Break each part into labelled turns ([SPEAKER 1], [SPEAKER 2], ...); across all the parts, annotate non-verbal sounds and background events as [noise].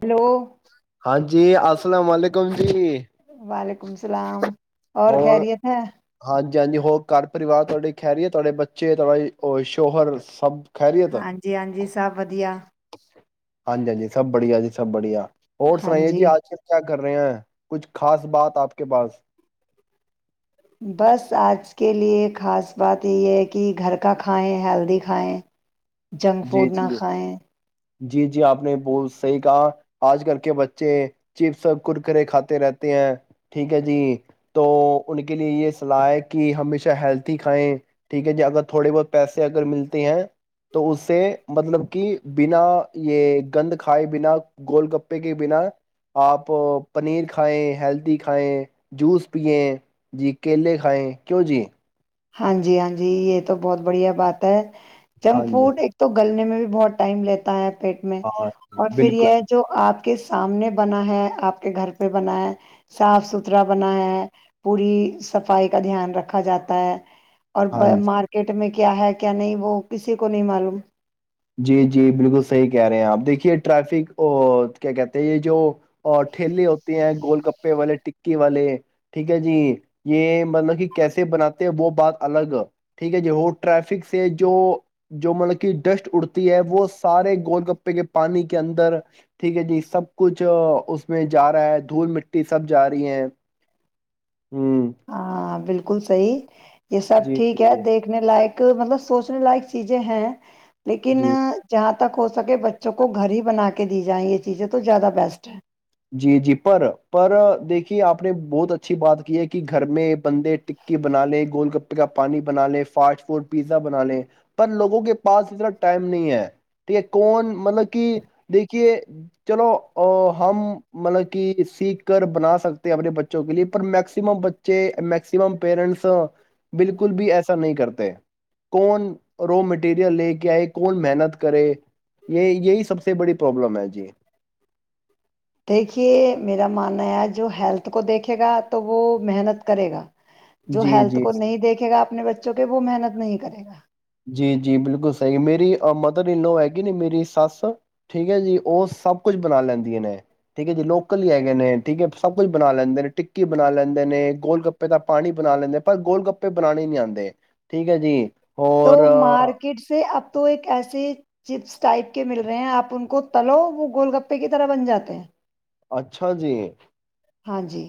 [SPEAKER 1] hello
[SPEAKER 2] ہاں جی السلام علیکم جی
[SPEAKER 1] وعلیکم اللام اور خیریت ہے
[SPEAKER 2] ج جی ہو گھر پرریوار تے خری ہے تڑے بچے تھے شوہر سب خیریت
[SPEAKER 1] ہاں جی ہاں جی سب ودیا
[SPEAKER 2] ہاں جی ہاں جی سب بڑھیا جی سب بڑھیا اور سنائیے جی آج کل کیا کر رہے ہیں کچھ خاص بات آپ کے پاس
[SPEAKER 1] بس آج کے لئے خاص بات یہ ہے کہ گھر کا کھائیں ہیلدی کھائیں جنک
[SPEAKER 2] جی
[SPEAKER 1] فوڈ نہ
[SPEAKER 2] جی
[SPEAKER 1] کھائیں
[SPEAKER 2] جی جی آپ نے بہت صحیح کہا آج کل کے بچے چپس کرکرے کھاتے رہتے ہیں ٹھیک ہے جی تو ان کے لیے یہ صلاح ہے کہ ہمیشہ ہیلتھی کھائیں ٹھیک ہے جی اگر تھوڑے بہت پیسے اگر ملتے ہیں تو اس سے مطلب کہ بنا یہ گند کھائے بنا گول گپے کے بنا آپ پنیر کھائیں ہیلدی کھائیں جوس پیئیں جی کیلے کھائیں کیوں جی
[SPEAKER 1] ہاں جی ہاں جی یہ تو بہت بڑھیا بات ہے
[SPEAKER 2] ہاں
[SPEAKER 1] جمک
[SPEAKER 2] جی
[SPEAKER 1] فوٹ ایک تو گلنے میں بھی بہت ٹائم لیتا ہے پیٹ میں
[SPEAKER 2] ہاں
[SPEAKER 1] اور پھر یہ
[SPEAKER 2] بالکل
[SPEAKER 1] جو آپ کے آپ کے سامنے بنا ہے آپ کے گھر پہ بنا ہے صاف ستھرا بنا ہے پوری صفائی کا دھیان رکھا جاتا ہے اور
[SPEAKER 2] ہاں جی
[SPEAKER 1] مارکیٹ میں کیا ہے کیا نہیں وہ کسی کو نہیں معلوم
[SPEAKER 2] جی جی بالکل صحیح کہہ رہے ہیں آپ دیکھیے ٹریفک کیا کہتے یہ جو ٹھیلے ہوتے ہیں گول کپے والے ٹکے والے ٹھیک ہے جی یہ مطلب کہ کیسے بناتے ہیں وہ بات الگ ٹھیک ہے جی وہ ٹریفک سے جو جو مطلب کہ ڈسٹ اڑتی ہے وہ سارے گول گپے کے پانی کے اندر ٹھیک ہے جی سب کچھ اس میں جا رہا ہے دھول مٹی سب جا رہی ہے ہ
[SPEAKER 1] ہاں بالکل صحیح یہ سب
[SPEAKER 2] جی
[SPEAKER 1] ٹھیک
[SPEAKER 2] جی
[SPEAKER 1] ہے
[SPEAKER 2] جی
[SPEAKER 1] دیکھنے لائق ایک مطلب سوچنے لائق چیزیں ہیں لیکن
[SPEAKER 2] جی
[SPEAKER 1] جہاں تک تک ہو سکے بچوں کو گھر ہی بنا کے دی جائیں یہ چیزیں تو زیادہ بیسٹ ہے
[SPEAKER 2] جی جی پر پر دیکھیے آپ نے بہت اچھی بات کی ہے کہ گھر میں بندے ٹکی بنا لیں گول گپے کا پانی بنا لیں فاسٹ فوڈ پیزا بنا لیں پر لوگوں کے پاس اتنا ٹائم نہیں ہے ٹھیک ہے کون مطلب کہ دیکھیے چلو ہم مطلب کہ سیکھ کر بنا سکتے اپنے بچوں کے لیے پر میکسمم بچے میکسیمم پیرنٹس بالکل بھی ایسا نہیں کرتے کون رو مٹیریل لے کے آئے کون محنت کرے یہ یہی سب سے بڑی پروابلم ہے جی
[SPEAKER 1] دیکھیے میرا ماننا ہے جو ہیلتھ کو دیکھے گا تو وہ محنت کرے گا جو
[SPEAKER 2] جی
[SPEAKER 1] ہیلتھ
[SPEAKER 2] جی
[SPEAKER 1] کو نہیں دیکھے گا اپنے بچوں کے وہ محنت نہیں کرے گا
[SPEAKER 2] جی جی بالکل سحی میری مدر انو ہے گی ن میری سس ٹھیک ہے جی وہ سب کچھ بنا لیندیا نے ٹھیک ہے جی لوکل ہی ہےگ ہیں ٹھیک ہے سب کچھ بنا لینے نے ٹکی بنا لینے نے گول گپے کا پانی بنا لینے پر گول گپے بناانے ہی نہیں آتے ٹھیک ہے جی
[SPEAKER 1] تو مارکیٹ سے اب تو ایک ایسے چپس ٹائپ کے مل رہے ہیں آپ ان کو تلو وہ گول گپے کی طرح بن جاتے ہیں
[SPEAKER 2] اچھا جی
[SPEAKER 1] ہاں جی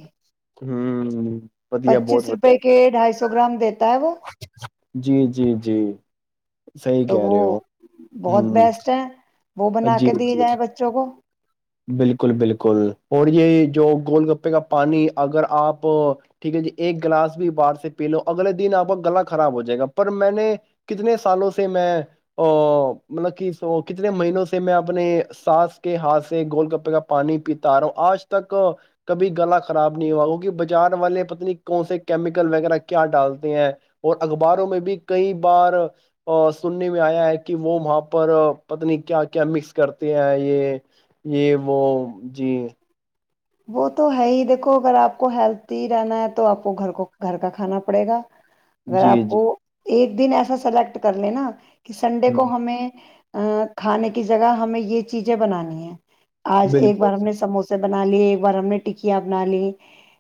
[SPEAKER 2] ہوں ودیا
[SPEAKER 1] پچیس
[SPEAKER 2] بہت ودیا
[SPEAKER 1] روپے کے ڈھائی سو سو گرام دٹ
[SPEAKER 2] جی جی جی صحیح
[SPEAKER 1] تو
[SPEAKER 2] کہہ
[SPEAKER 1] وہ
[SPEAKER 2] رہے ہو ہ
[SPEAKER 1] بہت بیسٹ ہے وہ بنا
[SPEAKER 2] جی
[SPEAKER 1] کے دیے
[SPEAKER 2] جی
[SPEAKER 1] جائیں بچوں کو
[SPEAKER 2] بالکل بالکل اور یہ جو گول گپے کا پانی اگر آپ ٹھیک ہے ج ایک گلاس بھی باہر سے پی لو اگلے دن آپ کا گلا خراب ہو جائے گا پر میں نے کتنے سالوں سے میں مطلب کہ س کتنے مہینوں سے میں اپنے ساس کے ہاتھ گول گپے کا پانی پیتا آ رہا ہوں آج تک کبھی گلا خراب نہیں ہوا کیکہ بازار والے پتنی کون سے کیمیکل وغیرہ کیا ڈالتے ہیں اور اخباروں میں بھی کئی بار سننے میں آیا ہے کہ وہ وہاں پر پتنی کیا کیا مکس کرتے ہیں یہ یہ وہ جی
[SPEAKER 1] وہ تو ہے ہی دیکھو اگر آپ کو ہیلتی رہنا ہے تو آپ کو گھر کو گھر کا کھانا پڑے گا اگر
[SPEAKER 2] جی
[SPEAKER 1] آپ
[SPEAKER 2] جی
[SPEAKER 1] کو ایک ایک دن ایسا سلیکٹ کر لینا کہ سنڈے
[SPEAKER 2] ہ
[SPEAKER 1] کو ہمیں ا کھانے کی جگہ ہمیں یہ چیزیں بنانی ہے آج ایک
[SPEAKER 2] بالکل
[SPEAKER 1] بار ہم نے سموسے بنا لیے برہم نے ٹکیاں بنا لی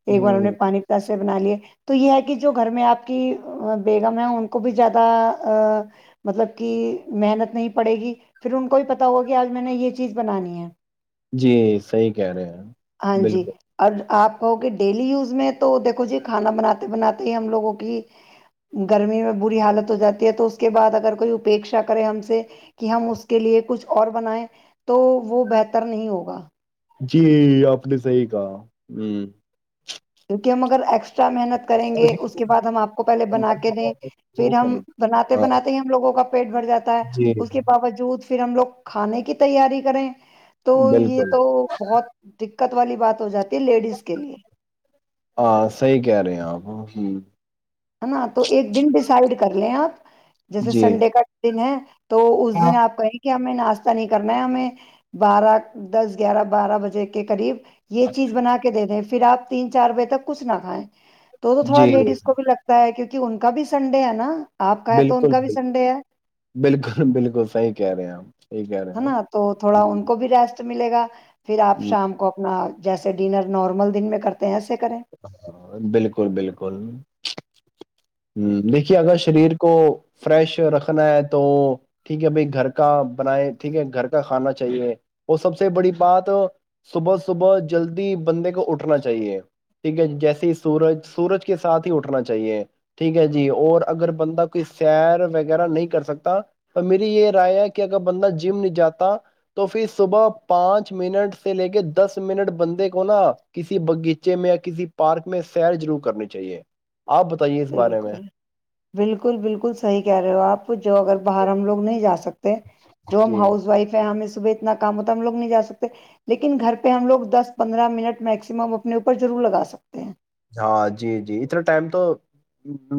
[SPEAKER 1] یہ گارانے
[SPEAKER 2] ہ
[SPEAKER 1] پانی پس سے بنا لیے تو یہ ہے کہ جو گھر میں آپ کی بیگم ہے ان کو بھی زیادہ مطلب کہ محنت نہیں پڑے گی پھر ان کو بھی پتا ہوگا کہ آج میں نے یہ چیز بنانی ہے
[SPEAKER 2] جی صحی کہہ رہے ہیں
[SPEAKER 1] ہاں جی
[SPEAKER 2] بالکل
[SPEAKER 1] اور آپ کہو کہ ڈیلی یوز میں تو دیکھو جی کھانا بناتے بناتے ہی ہم لوگوں کی گرمی میں بری حالت ہو جاتی ہے تو اس کے بعد اگر کوئی اپیکشا کرے ہم سے کہ ہم اس کے لیے کچھ اور بنائے تو وہ بہتر نہیں ہوگا
[SPEAKER 2] جی آپ نے صحیح کہا ہ
[SPEAKER 1] کیونکہ ہم اگر ایکسٹرا محنت کریں گے اس کے بعد ہم آپ کو پہلے بنا کے دیں
[SPEAKER 2] ہ
[SPEAKER 1] پھر ہم
[SPEAKER 2] کرے
[SPEAKER 1] بناتے
[SPEAKER 2] گا ہاں
[SPEAKER 1] بناتے ہی ہم لوگوں کا پیٹ بھر جاتا ہے
[SPEAKER 2] جی
[SPEAKER 1] اس کے باوجود پھر ہم لوگ کھانے کی تیاری کریں تو یہ
[SPEAKER 2] بالکل
[SPEAKER 1] تو بہت د دقت والی بات ہو جاتی ہے لیڈیز کے لیے
[SPEAKER 2] ہاں صحی کہہ رہے ہیں آپ
[SPEAKER 1] ہے نا تو ایک دن ڈیسائڈ کر لیں آپ جیسے
[SPEAKER 2] جی
[SPEAKER 1] سنڈے کا دن ہے تو اس دن آپ کایں کہ ہمیں ناشتہ نہیں کرنا ہے ہمیں بارہ دس گیارہ بارہ بجے کے قریب یہ چیز بنا کے دے دیں پھر آپ تین چار بجے تک کچھ نہ کھیں تو تھوڑا
[SPEAKER 2] جی
[SPEAKER 1] لیڈیز کو بھی لگتا ہے کیونکہ ان کا بھی سنڈے ہے نا آپ کا ہے تو ان
[SPEAKER 2] بالکل
[SPEAKER 1] کا بھی
[SPEAKER 2] بالکل
[SPEAKER 1] سنڈے ہے
[SPEAKER 2] بالکل بالکل صحی کہہ رہے ہیں ہمپ
[SPEAKER 1] ہے نا تو تھوڑا ان کو بھی رست ملے گا پھر آپ شام کو اپنا جیسے ڈنر نارمل دن میں کرتے ہیں ایسے کریں
[SPEAKER 2] ہاں بالکل بالکل ہ دیکھیے اگر شریر کو فریش رکھنا ہے تو ٹھیک ہے بھائی گھر کا بنائے ٹھیک ہے گھر کا کھانا چاہیے وہ سب سے بڑی بات صبح صبح جلدی بندے کو اٹھنا چاہیے ٹھیک ہے جیسے ہی سورج سورج کے ساتھ ہی اٹھنا چاہیے ٹھیک ہے جی اور اگر بندہ کوئی سیر وغیرہ نہیں کر سکتا تو میری یہ رائے ہے کہ اگر بندہ جم نہیں جاتا تو پھر صبح پانچ منٹ سے لے کے دس منٹ بندے کو نا کسی باغیچے میں یا کسی پارک میں سیر ضرور کرنی چاہیے آپ بتائیے اس بارے میں
[SPEAKER 1] بالکل بالکل بالکل صحیح کہہ رہے ہو آپ جو اگر باہر ہم لوگ نہیں جا سکتے جو ہم
[SPEAKER 2] جی
[SPEAKER 1] ہاؤس وائف ہیں ہمیں صبح اتنا کام ہوتا ہم لو نہیں جا سکتے لیکن گھر پہ ہم لوگ دس پندرہ منٹ میکسیمم اپنے اوپر ضرور لگا سکتے ہیں
[SPEAKER 2] ہاں جی جی اتنا ٹائم تو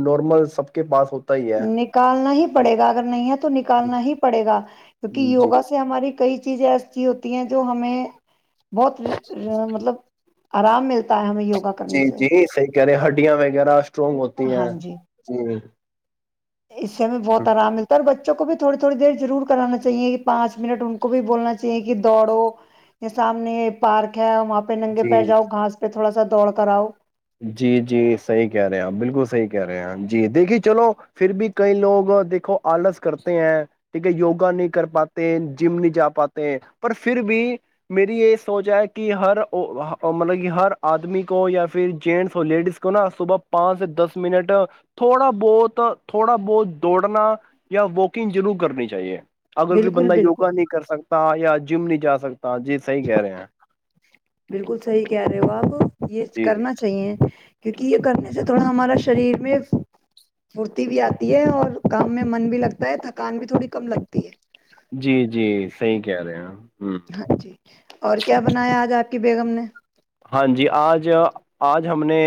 [SPEAKER 2] نارمل سب کے پاس ہو
[SPEAKER 1] نکالنا ہی پڑے گا اگر نہیں ہے تو نکالنا ہی پڑے گا کیونکہ
[SPEAKER 2] جی
[SPEAKER 1] یوگا سے ہماری کئی چیزیں ایسی ہوتی ہیں جو ہمیں بہت مطلب آرام ملتا ہے ہمیں یوگا
[SPEAKER 2] جی
[SPEAKER 1] کرنے سے
[SPEAKER 2] جی صحیح کہہ رہے ہڈیاں وغیرہ اسٹرونگ ہوتی ہیں جی
[SPEAKER 1] اس سے ہمیں بہت آرام ملتا ہے اور بچوں کو بھی تھوڑی تھوڑی دیر ضرور کرانا چاہیے کہ پانچ منٹ ان کو بھی بولنا چاہیے کہ دوڑو سامنے پارک ہے وہاں پہ ننگے پیر
[SPEAKER 2] جی
[SPEAKER 1] جاؤ گاس پہ تھوڑا سا دوڑ کر اؤ
[SPEAKER 2] جی جی صحی کہہ رہے ہیں بالکل صحی کہہ رہے ہیں جی دیکھیے چلو پھر بھی کئی لوگ دیکھو آلس کرتے ہیں ٹھیک ہے یوگا نہیں کر پاتے جم نہیں جا پاتے ہیں پر پھر بھی میری یہ سوچ ہے کہ ہر مطلب کی ہر آدمی کو پھر جینس اور لیڈیز کو نا صبح پانچ سے دس منٹ تھوڑا بہت تھوڑا بہت دوڑنا یا واکنگ ضرور کرنی چاہیے اگر کوئی
[SPEAKER 1] بالکل
[SPEAKER 2] بندا
[SPEAKER 1] بالکل
[SPEAKER 2] یوگا نہیں کر سکتا یا جم نہیں جا سکتا جی صحی کہہ رہے ہیں
[SPEAKER 1] بالکل صحیح کہہ رہے ہو آپ یہ
[SPEAKER 2] جی
[SPEAKER 1] کرنا چاہیے کیونکہ یہ کرنے سے تھوڑا ہمارا شریر میں پھرتی بھی آتی ہے اور کام میں من بھی لگتا ہے تھکان بھی تھوڑی کم لگتی ہے
[SPEAKER 2] جی جی صحیح کہہ رہے ہیں ہ
[SPEAKER 1] ہاں جی اور کیا بنایا آج آپ کی بیگم نے
[SPEAKER 2] ہاں جی آج آج ہم نے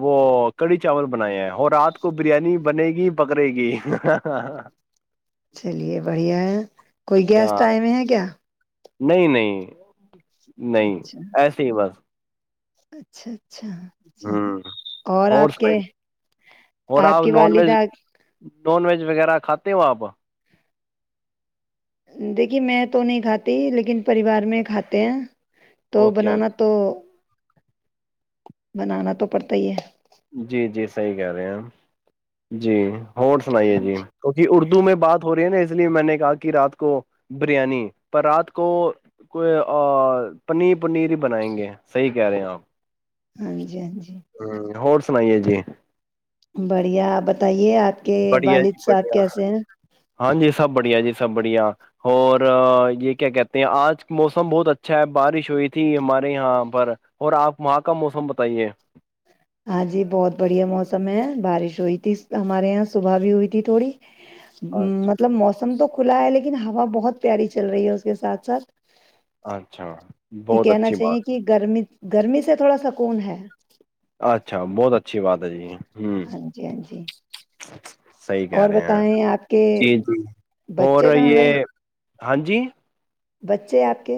[SPEAKER 2] وہ کری چاول بنایا ہے وہ رات کو بریانی بنے گی بکرے کی
[SPEAKER 1] چلیے بڑھیا ہے کوئی گیسٹ
[SPEAKER 2] کیا
[SPEAKER 1] آئے ہوئے ہے کیا
[SPEAKER 2] نہیں نہیں نہیں
[SPEAKER 1] اچھا
[SPEAKER 2] ایسے ہی بس
[SPEAKER 1] اچھا اچھا
[SPEAKER 2] ہوں
[SPEAKER 1] اور آپ کے
[SPEAKER 2] اور
[SPEAKER 1] آپ کی
[SPEAKER 2] نان ویج
[SPEAKER 1] والدہ
[SPEAKER 2] نان ویج وغیرہ کھاتے ہو آپ
[SPEAKER 1] دیکھیے میں تو نہیں کھاتی لیکن پریوار میں کھاتے ہیں تو
[SPEAKER 2] اوکے
[SPEAKER 1] بنانا
[SPEAKER 2] اوکے
[SPEAKER 1] تو بنانا تو پڑتا ہی ہے
[SPEAKER 2] جی جی صحی کہہ رہے ہیں ہم جی ہو سنائیے جی کیکہ اردو میں بات ہو رہی ہے نا اس لیے میں نے کہا کہ رات کو بریانی پر رات کو کوئی پنیر پنیر ہی بنائیں گے صحیح کہہ رہے ہیں آپ
[SPEAKER 1] ہاں جی ہاں جی
[SPEAKER 2] ہ اور سنائیے جی
[SPEAKER 1] بڑھیاپ بتائیے آپ کے
[SPEAKER 2] بڑھیا جی
[SPEAKER 1] والد صاحب
[SPEAKER 2] بڑھیا
[SPEAKER 1] کیسے ہیں
[SPEAKER 2] ہاں جی سب بڑھیا جی سب بڑھیا اور یہ کیا کہتے ہیں آج موسم بہت اچھا ہے بارش ہوئی تھی ہمارے یہاں پر اور آپ وہاں کا موسم بتائیے
[SPEAKER 1] ہاں جی بہت بڑھیا موسم ہے بارش ہوئی تھی ہمارے یہاں صبح بھی ہوئی تھی تھوڑی
[SPEAKER 2] اچھا
[SPEAKER 1] مطلب موسم تو کھلا ہے لیکن لیکن ہوا بہت پیاری چل رہی ہے اس کے ساتھ ساتھ
[SPEAKER 2] اچھا
[SPEAKER 1] کہ
[SPEAKER 2] بہت
[SPEAKER 1] کہنا
[SPEAKER 2] اچھی بات
[SPEAKER 1] چاہیے کہ گرمی گرمی سے تھوڑا سکون ہے
[SPEAKER 2] اچھا بہت اچھی بات ہے جی یہ
[SPEAKER 1] ہاں جی ہاں جی
[SPEAKER 2] [inaudible] صحی کہہ
[SPEAKER 1] اور
[SPEAKER 2] رہے ہیں
[SPEAKER 1] بتائیں آپ کے
[SPEAKER 2] جی جی اور
[SPEAKER 1] بچے کہاں گئے
[SPEAKER 2] یہ ہاں جی
[SPEAKER 1] بچے آپ کے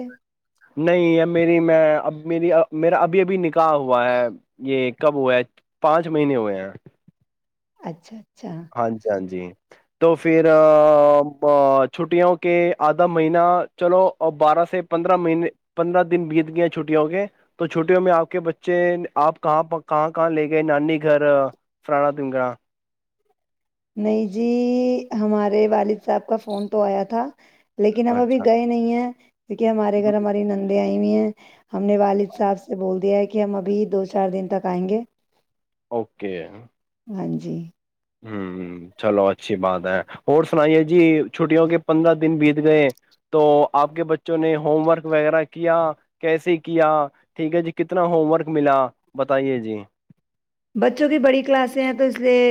[SPEAKER 2] نہیں اب میری میں اب میری میرا ابھی ابھی نکاح ہوا ہے یہ کب ہوا ہے پانچ مہینے ہوئے ہیں
[SPEAKER 1] اچھاچھا
[SPEAKER 2] ہاں جی ہاں جی تو پھر چھٹیوں کے آدھا مہینہ چلو بارہ سے پندرہ مہینے پندرہ دن بیت گئے چھٹیوں کے تو چھٹیوں میں آپ کے بچے آپ کہاں کہاں کہاں لے گئے نانی گھر فرانا تنگا
[SPEAKER 1] نہیں جی ہمارے والد صاحب کا فون تو آیا تھا لیکن ہم ابھی
[SPEAKER 2] اچھا
[SPEAKER 1] گئے نہیں ہیں کیونکہ ہمارے
[SPEAKER 2] ہوں،
[SPEAKER 1] گھر ہماری نند ہیں بھی ہیں ہم نے والد صاحب سے بول دیا ہے کہ کہ ہم ابھی دو چار دن تک آئیں گے
[SPEAKER 2] اوکے
[SPEAKER 1] ہاں جی
[SPEAKER 2] ہوں چلو اچھی بات ہے اور سنائیے جی چھٹیوں کے پندرہ دن بیت گئے تو آپ کے بچوں نے ہوم ورک وغیرہ کیا کیسے کیا ٹھیک ہے جی کتنا ہوم ورک ملا بتائیے جی
[SPEAKER 1] بچوں کی بڑی کلاسیں ہیں تو اس لیے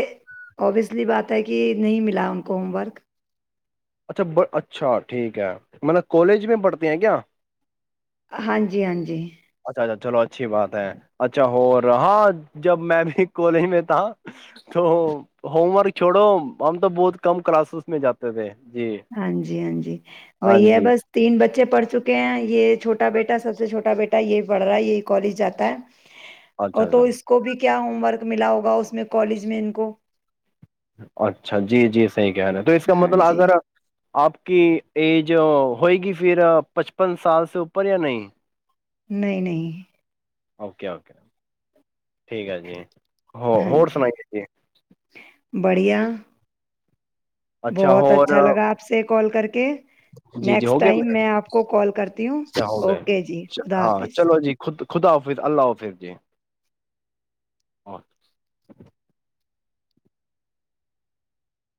[SPEAKER 1] اوبویسلی بات ہے کہ نہیں ملا ان کو ہوم ورک
[SPEAKER 2] اچھا اچھا ٹھیک ہے مطلب کالج میں پڑھتے ہیں کیا
[SPEAKER 1] ہاں جی ہاں جی [unintelligible]
[SPEAKER 2] اچھا اچھا چلو اچھی بات ہے اچھا اور ہاں جب میں بھی کالج میں تھا تو ہوم ورک چھوڑو ہم تو بہت کم کلاسز میں جاتے تھے جی
[SPEAKER 1] ہاں جی ہاں جی
[SPEAKER 2] ہاں
[SPEAKER 1] وہی ہے
[SPEAKER 2] جی
[SPEAKER 1] بس تین بچے پڑھ چکے یہ چھوٹا بیٹا سب سے چھوٹا بیٹا یہی پڑھ رہا ہے یہی کالج جا ہے [unintelligible]
[SPEAKER 2] اچھا
[SPEAKER 1] اور تو
[SPEAKER 2] اچھا
[SPEAKER 1] اس کو بھی [unintelligible] کیا ہوم ورک ملا ہوگا اس میں کالج میں ان کو [unintelligible]
[SPEAKER 2] اچھا جی جی [unintelligible] صحیح کہ ہے تو اس کا
[SPEAKER 1] ہاں
[SPEAKER 2] مطلب
[SPEAKER 1] جی
[SPEAKER 2] اگر [unintelligible] آپ کی ایج ہوئے گی پھر پچپن سال سے اوپر یا نہیں
[SPEAKER 1] نہیں نہیں [unintelligible]
[SPEAKER 2] اوکے اوکے ٹھیک ہے جی [unintelligible] ہو
[SPEAKER 1] ہاں
[SPEAKER 2] ہو
[SPEAKER 1] جی
[SPEAKER 2] سنائیے ج [unintelligible]
[SPEAKER 1] بڑھیا [unintelligible] بہت اچھا لگا آپ سے کال کر کے [unintelligible]
[SPEAKER 2] جی جی
[SPEAKER 1] نیکسٹ
[SPEAKER 2] ہو گیا
[SPEAKER 1] ٹائم میں آپ کو کال کرتی ہوں
[SPEAKER 2] کیا ہو گئے
[SPEAKER 1] اوکے جی خدا
[SPEAKER 2] ہاں
[SPEAKER 1] حافظ
[SPEAKER 2] چلو جی خود خدا حافظ اللہ حافظ جی [unintelligible]